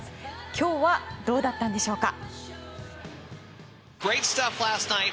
今日はどうだったんでしょうか。